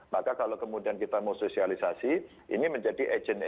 maka kalau kemudian kita mau sosialisasi ini menjadi agent